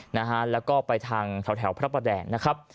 แล้วก็ไปทางแถวพระประแดงนะครับ